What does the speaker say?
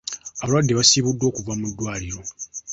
Abalwadde baasiibuddwa okuva mu ddwaliiro.